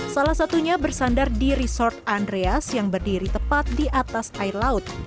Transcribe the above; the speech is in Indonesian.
salah satunya bersandar di resort andreas yang berdiri tepat di atas air laut